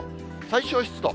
最小湿度。